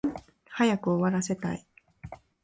早く終わらせたい